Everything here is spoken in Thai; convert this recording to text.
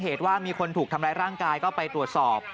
เหตุว่ามีคนถูกทำร้ายร่างกายก็ไปตรวจสอบ